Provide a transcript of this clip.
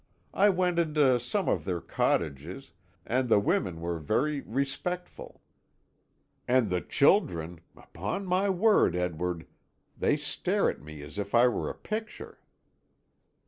I went into some of their cottages, and the women were very respectful; and the children upon my word, Edward, they stare at me as if I were a picture."